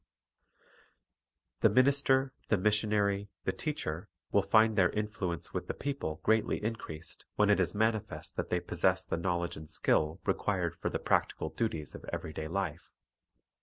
i Ma a u a I T> a i Ti i rig The minister, the missionary, the teacher, will find their influence with the people greatly increased when it is manifest that they possess the knowledge and skill required for the practical duties of every day life.